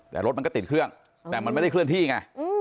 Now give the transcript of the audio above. แต่รถมันก็ติดเครื่องแต่มันไม่ได้เคลื่อนที่ไง